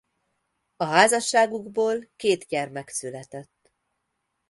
A házasságukból két gyermek született.